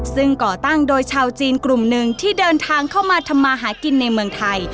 ซึ่งก่อตั้งโดยชาวจีนกลุ่มหนึ่งที่เดินทางเข้ามาทำมาหากินในเมืองไทย